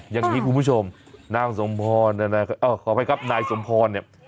อย่างนี้คุณผู้ชมนางสมพรนายสมพรเนี่ย